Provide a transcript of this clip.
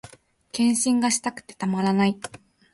欠伸がしたくてたまらない